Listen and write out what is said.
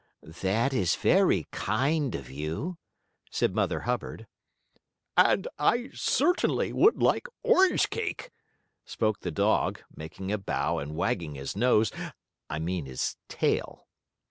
"That is very kind of you," said Mother Hubbard. "And I certainly would like orange cake," spoke the dog, making a bow and wagging his nose I mean his tail.